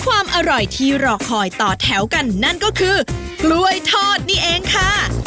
ความอร่อยที่รอคอยต่อแถวกันนั่นก็คือกล้วยทอดนี่เองค่ะ